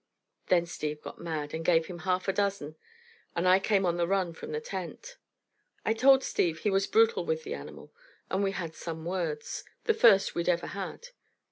Then Steve got mad and gave him half a dozen, and I came on the run from the tent. I told Steve he was brutal with the animal, and we had some words the first we'd ever had.